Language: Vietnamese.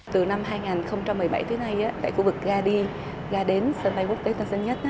từ năm hai nghìn một mươi bảy tới nay tại khu vực ga đi ga đến sân bay quốc tế tân sơn nhất